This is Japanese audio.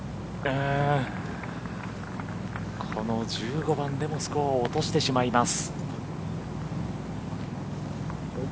この１５番でもスコアを落としてしまいます。